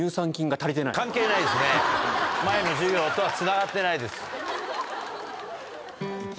前の授業とはつながってないです。